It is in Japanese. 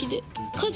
家事。